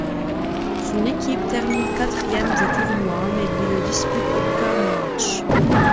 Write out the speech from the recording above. Son équipe termine quatrième du tournoi, mais lui ne dispute aucun match.